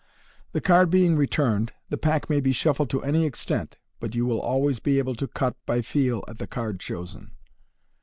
The card being returned, the pack may be shuffled to any extent, but you will always be able to cut by feel at the card chosen.